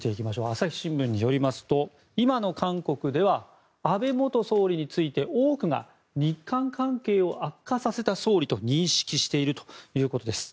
朝日新聞によりますと今の韓国では安倍元総理について、多くが日韓関係を悪化させた総理と認識しているということです。